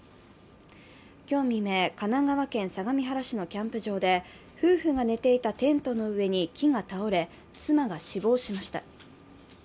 今日未明、神奈川県相模原市のキャンプ場で夫婦が寝ていたテントの上に木が倒れ、妻が死亡しました。